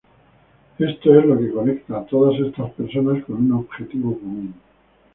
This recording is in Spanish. Esto es lo que conecta a todas estas personas con un objetivo común.